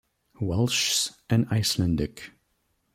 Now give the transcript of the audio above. Welsh and Icelandic.